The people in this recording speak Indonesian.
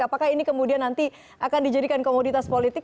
apakah ini kemudian nanti akan dijadikan komoditas politik